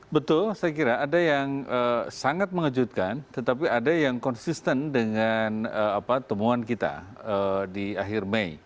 betul saya kira ada yang sangat mengejutkan tetapi ada yang konsisten dengan temuan kita di akhir mei